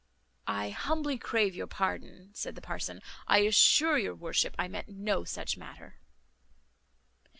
"I humbly crave your pardon," said the parson; "I assure your worship I meant no such matter."